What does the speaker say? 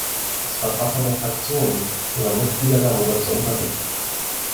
Es war Sache der Fraktionen, ihre Mitglieder darüber zu unterrichten.